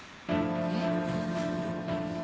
えっ！？